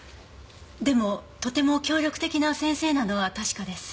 でもとても協力的な先生なのは確かです。